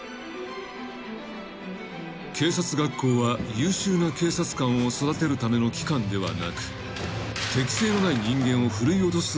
［警察学校は優秀な警察官を育てるための機関ではなく適正のない人間をふるい落とす場である］